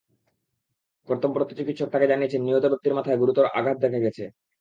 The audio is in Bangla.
কর্তব্যরত চিকিৎসক তাঁকে জানিয়েছেন, নিহত ব্যক্তির মাথায় গুরুতর আঘাত দেখা গেছে।